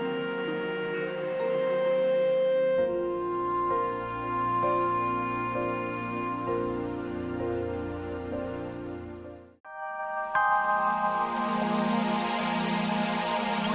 kenapa energiaulu affected funny perempuan di dalam hal ini